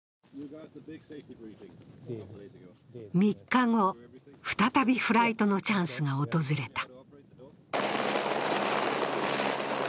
３日後、再びフライトのチャンスが訪れた。